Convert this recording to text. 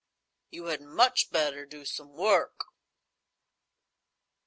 "You had much better do some work."